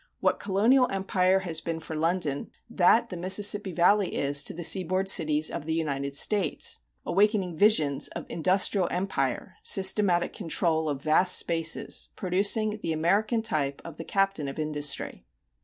What colonial empire has been for London that the Mississippi Valley is to the seaboard cities of the United States, awakening visions of industrial empire, systematic control of vast spaces, producing the American type of the captain of industry.